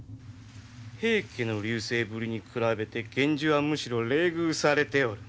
平家の隆盛ぶりに比べて源氏はむしろ冷遇されておる。